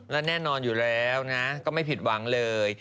และแน่นอนอยู่แล้วนะก็ไม่ผิดหวังเลย